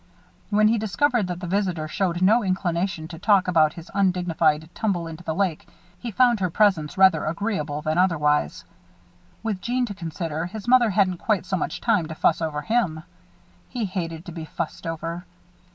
When he discovered that the visitor showed no inclination to talk about his undignified tumble into the lake, he found her presence rather agreeable than otherwise. With Jeanne to consider, his mother hadn't quite so much time to fuss over him. He hated to be fussed over.